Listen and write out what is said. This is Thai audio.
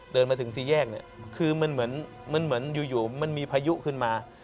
เดินมาถึงสี่แยกเนี่ยคือมันเหมือนอยู่มันมีพายุขึ้นมา